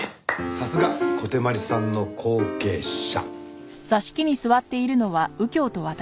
さすが小手鞠さんの後継者。